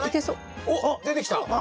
おっ出てきた！